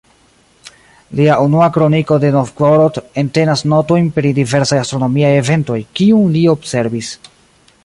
Lia "Unua kroniko de Novgorod" entenas notojn pri diversaj astronomiaj eventoj, kiun li observis.